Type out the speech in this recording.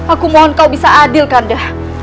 aku mohon kau bisa adil kanda